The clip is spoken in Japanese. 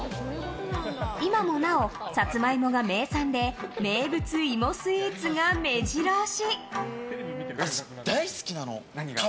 今もなおサツマイモが名産で名物芋スイーツが目白押し！